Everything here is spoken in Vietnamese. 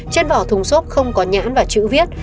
trên vỏ thùng xốp không có nhãn và chữ viết